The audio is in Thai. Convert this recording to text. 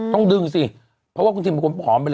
ต้องดึงสิเพราะว่าคุณทิมเป็นคนผอมไปเลย